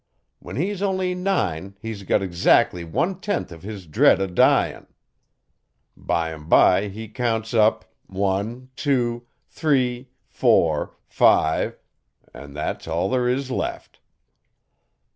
When he's only nine he's lost eggzac'ly one tenth uv his dread o' dyin'. Bime bye he counts up one two three four five an' thet's all ther is left.